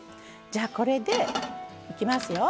じゃあこれでいきますよ。